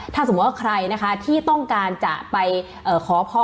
ถ้าสมมุติว่าใครนะคะที่ต้องการจะไปขอพร